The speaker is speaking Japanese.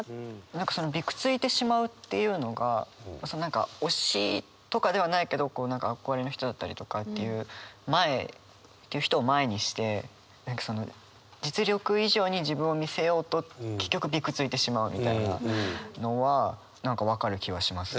何かその「びくついてしまう」っていうのが何か推しとかではないけど憧れの人だったりとかっていう人を前にして何か実力以上に自分を見せようと結局びくついてしまうみたいなのは何か分かる気はします。